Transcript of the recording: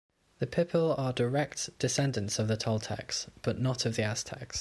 The Pipil are direct descendants of the Toltecs, but not of the Aztecs.